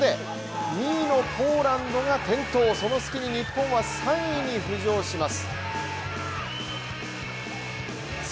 ここで２位のポーランドが転倒その隙に日本は３位に浮上します。